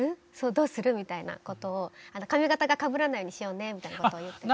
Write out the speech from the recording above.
どうする？みたいなことを髪形がかぶらないようにしようねみたいなことを言ってて。